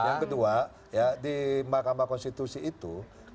yang kedua ya di mahkamah konstitusi itu